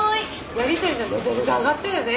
やりとりのレベルが上がったよね。